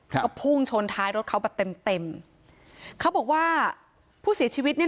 ครับก็พุ่งชนท้ายรถเขาแบบเต็มเต็มเขาบอกว่าผู้เสียชีวิตเนี้ย